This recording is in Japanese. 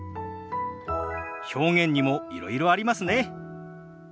表現にもいろいろありますね。